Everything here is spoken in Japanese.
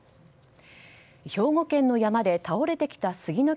兵庫県の山で倒れてきたスギの